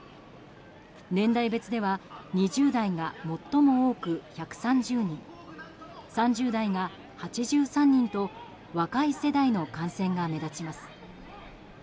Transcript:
年代別では２０代が最も多く１３０人３０代が８３人と若い世代の感染が目立ちます。